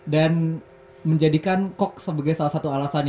dan menjadikan kok sebagai salah satu alasannya